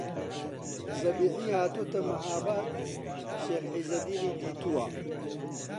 زەبیحی هاتۆتە مەهاباد شێخ عیززەدینی دیتووە